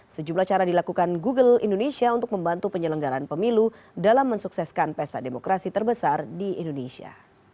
sejumlah cara dilakukan google indonesia untuk membantu penyelenggaran pemilu dalam mensukseskan pesta demokrasi terbesar di indonesia